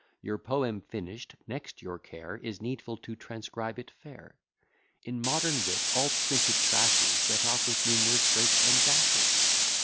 Your poem finish'd, next your care Is needful to transcribe it fair. In modern wit all printed trash is Set off with numerous breaks and dashes.